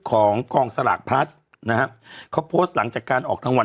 ของกองสลากพลัสนะฮะเขาโพสต์หลังจากการออกรางวัล